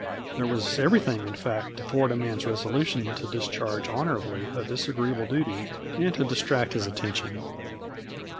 There was everything, in fact, to thwart a man's resolution to discharge honorably a disagreeable duty, and to distract his attention.